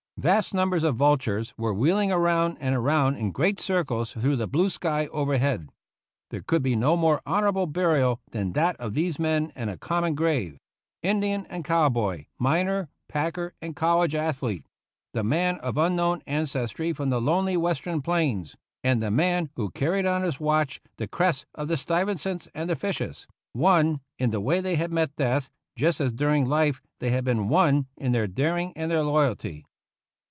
Vast numbers of vultures were wheel ing round and round in great circles through the blue sky overhead. There could be no more honorable burial than that of these men in a com mon grave — Indian and cow boy, miner, packer, and college athlete — the man of unknown ances try from the lonely Western plains, and the man who carried on his watch the crests of the Stuyve sants and the Fishes, one in the way they had met death, just as during life they had been one in their daring and their loyalty.